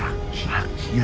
rakyat harus tetap sebodoh